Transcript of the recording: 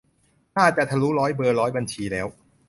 น่าจะทะลุร้อยเบอร์ร้อยบัญชีแล้ว